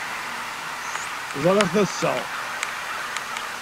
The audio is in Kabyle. Ẓṛiɣ-t ass-a.